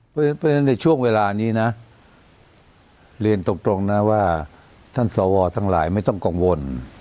เพราะฉะนั้นในช่วงเวลานี้นะเรียนตรงนะว่าท่านสวทั้งหลายไม่ต้องกังวล